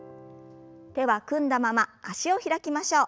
手は組んだまま脚を開きましょう。